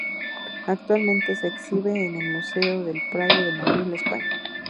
Actualmente se exhibe en el Museo del Prado de Madrid, España.